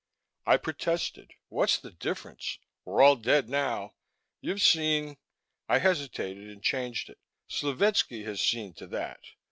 I protested, "What's the difference? We're all dead, now. You've seen " I hesitated and changed it. "Slovetski has seen to that.